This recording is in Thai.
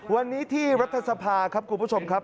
วันนี้ที่รัฐสภาครับคุณผู้ชมครับ